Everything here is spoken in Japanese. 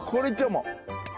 もう。